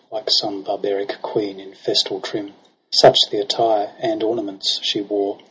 Like some barbaric queen in festal trim • Such the attire and ornaments she wore.